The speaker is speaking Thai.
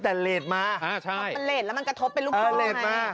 แต่เรดมามันเรดแล้วมันกระทบเป็นรุ่นตัวไง